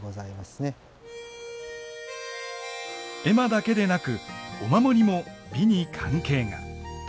絵馬だけでなくお守りも美に関係が。